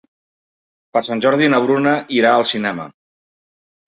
Per Sant Jordi na Bruna irà al cinema.